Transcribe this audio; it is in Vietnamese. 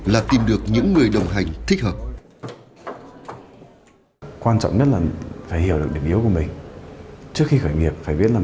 là tìm được những người đồng hành thích hợp